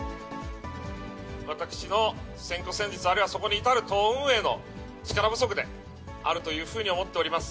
私の選挙戦術、あるいはそこに至る党運営の力不足であるというふうに思っております。